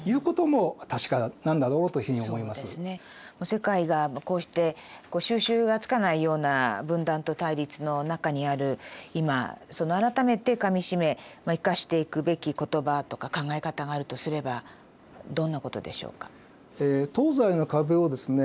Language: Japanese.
世界がこうして収拾がつかないような分断と対立の中にある今改めてかみしめ生かしていくべき言葉とか考え方があるとすればどんなことでしょうか？